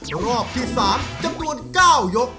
รอบที่๓จำนวน๙ยก